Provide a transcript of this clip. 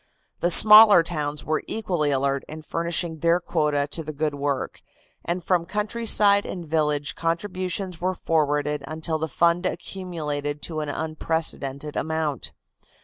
The smaller towns were equally alert in furnishing their quota to the good work, and from countryside and village contributions were forwarded until the fund accumulated to an unprecedented amount.